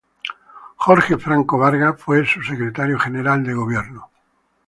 Jorge Franco Vargas fue su secretario general de Gobierno.